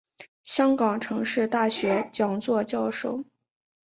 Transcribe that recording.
香港城市大学讲座教授。